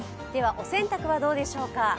お洗濯はどうでしょうか。